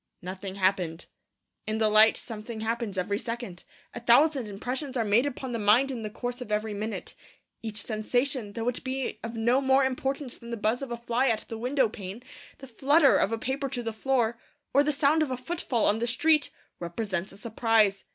Nothing happened. In the light something happens every second. A thousand impressions are made upon the mind in the course of every minute. Each sensation, though it be of no more importance than the buzz of a fly at the window pane, the flutter of a paper to the floor, or the sound of a footfall on the street, represents a surprise.